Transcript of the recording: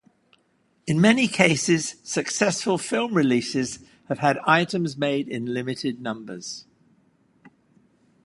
In many cases, successful film releases have had items made in limited numbers.